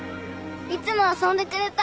いつも遊んでくれた。